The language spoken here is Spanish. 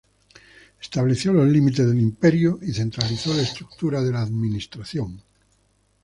Estableció los límites del imperio y centralizó la estructura de la administración.